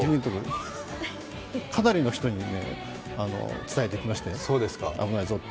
かなりの人に伝えてきまして、危ないぞって。